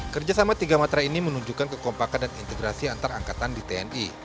kerjasama tiga matra ini menunjukkan kekompakan dan integrasi antar angkatan di tni